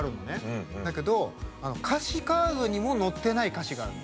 だけど歌詞カードにも載ってない歌詞があるの。